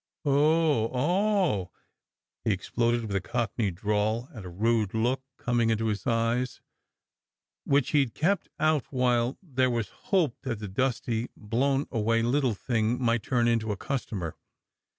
"Oa oh," he exploded with a cockney drawl, and a rude look coming into his eyes which he d kept out while there was hope that the dusty, blown about little thing might turn into a customer.